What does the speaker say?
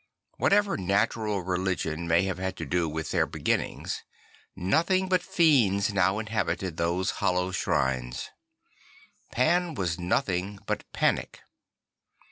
Whatever natural religion may ha ve had to do with their beginnings, nothing but fiends now inhabited those hollo\v shrines. Pan was nothing but panic.